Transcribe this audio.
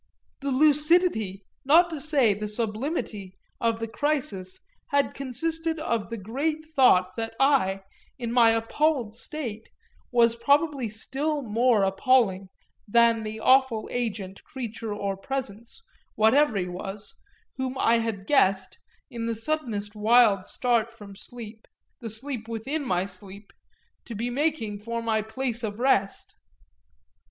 The lucidity, not to say the sublimity, of the crisis had consisted of the great thought that I, in my appalled state, was probably still more appalling than the awful agent, creature or presence, whatever he was, whom I had guessed, in the suddenest wild start from sleep, the sleep within my sleep, to be making for my place of rest.